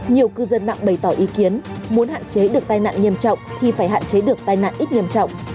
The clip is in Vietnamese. nhiều cư dân mạng bày tỏ ý kiến muốn hạn chế được tai nạn nghiêm trọng thì phải hạn chế được tai nạn ít nghiêm trọng